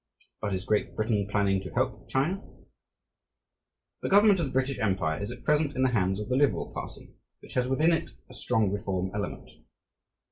But is Great Britain planning to help China? The government of the British empire is at present in the hands of the Liberal party, which has within it a strong reform element.